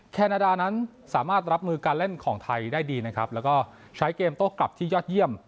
แคนาดานั้นสามารถรับมือการเล่นของไทยได้ดีนะครับแล้วก็ใช้เกมโต้กลับที่ยอดเยี่ยม